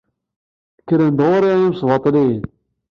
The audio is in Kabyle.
Kkren-d ɣur-i yimesbaṭliyen.